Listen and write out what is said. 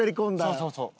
そうそうそう。